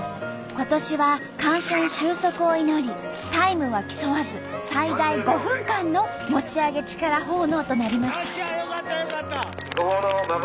今年は感染収束を祈りタイムは競わず最大５分間の餅上げ力奉納となりました。